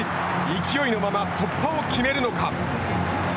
勢いのまま突破を決めるのか。